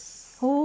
お。